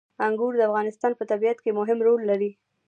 انګور د افغانستان په طبیعت کې مهم رول لري.